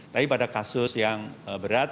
tapi pada kasus yang berat